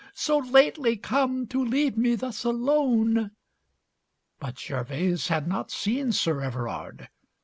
So lately come to leave me thus alone!" But Gervase had not seen Sir Everard.